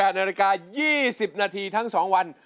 นาฬิกา๒๐นาทีทั้ง๒วัน